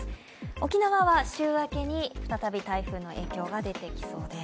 沖縄は週明けに再び台風の影響が出てきそうです。